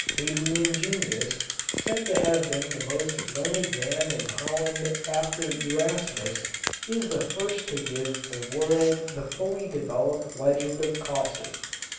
Hadrian Junius, said to have been the most learned man in Holland after Erasmus, is the first to give to the world the fully developed legend of Coster.